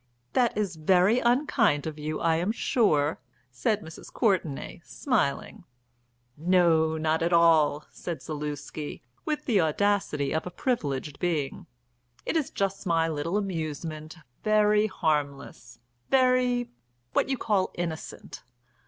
"That is very unkind of you, I am sure," said Mrs. Courtenay, smiling. "No, not at all," said Zaluski, with the audacity of a privileged being. "It is just my little amusement, very harmless, very what you call innocent.